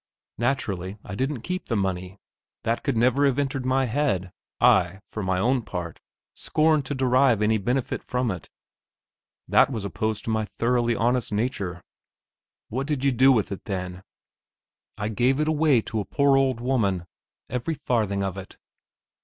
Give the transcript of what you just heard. Naturally, I didn't keep the money; that could never have entered my head. I, for my part, scorned to derive any benefit from it that was opposed to my thoroughly honest nature. "What did you do with it, then?" "I gave it away to a poor old woman every farthing of it."